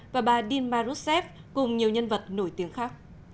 và bà dilma rousseff cùng nhiều nhân vật nổi tiếng khác